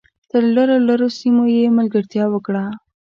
تر لرو لرو سیمو یې ملګرتیا وکړه .